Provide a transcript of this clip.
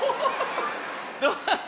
どうだった？